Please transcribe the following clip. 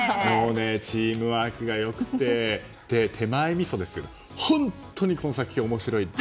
チームワークが良くて手前味噌ですけど本当にこの作品面白い。